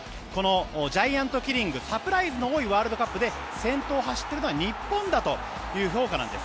ジャイアントキリングサプライズの多いワールドカップで先頭を走っているのは日本だという評価なんです。